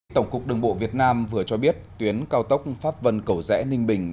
tổng cục đường bộ việt nam vừa cho biết tuyến cao tốc pháp vân cầu rẽ ninh bình